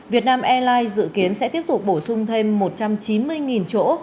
việt nam airlines dự kiến sẽ tiếp tục bổ sung thêm một trăm chín mươi chỗ